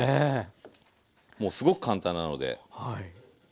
もうすごく簡単なので。